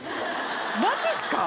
マジっすか？